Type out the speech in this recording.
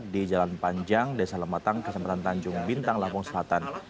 di jalan panjang desa lematang kesempatan tanjung bintang lampung selatan